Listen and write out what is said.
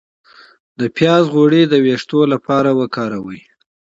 د پیاز غوړي د ویښتو لپاره وکاروئ